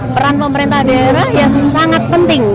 peran pemerintah daerah ya sangat penting